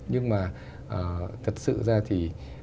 nhưng mà thật sự ra thì